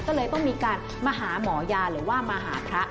ก็เลยต้องมีการมาหาหมอยาหรือว่ามาหาพระ